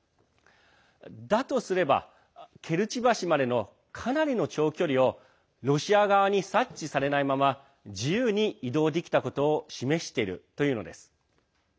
だとすれば、ケルチ橋までのかなりの長距離をロシア側に察知されないまま自由に移動できたことを示しているというのです。